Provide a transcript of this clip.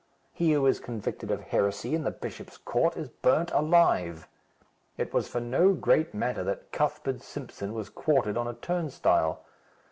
He who is convicted of heresy in the bishop's court is burnt alive. It was for no great matter that Cuthbert Simpson was quartered on a turnstile.